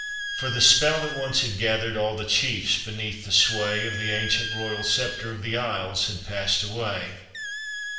For the spell, that once had gathered, All the chiefs beneath the sway Of the ancient royal scepter Of the Isles, had passed away.